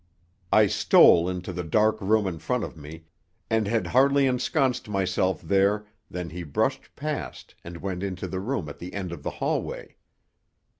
I stole into the dark room in front of me, and had hardly ensconced myself there than he brushed past and went into the room at the end of the hallway.